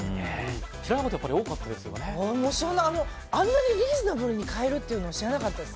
知らなかったことあんなにリーズナブルに買えるというの知らなかったです。